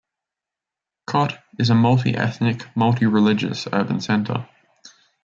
Kotte is a multi-ethnic, multi-religious urban centre.